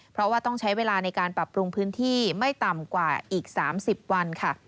เพราะว่าต้องใช้เวลาในการปรับปรุงพื้นที่ไม่ต่ำกว่าอีก๓๐วันค่ะ